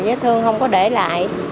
bếp thương không có để lại